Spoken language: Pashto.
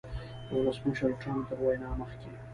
د ولسمشر ټرمپ تر وینا مخکې